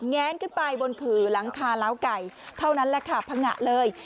แงนขึ้นไปบนผื่อหลังคาล้าวไก่เท่านั้นแหละค่ะพังงะเลย